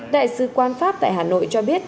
đại sứ quan pháp tại hà nội cho biết